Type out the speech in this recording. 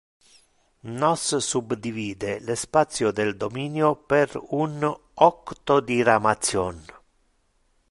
Nos subdivide le spatio del dominio per un octodiramation.